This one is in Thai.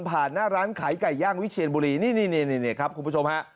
หน้าร้านขายไก่ย่างวิเชียนบุรีนี่ครับคุณผู้ชมฮะ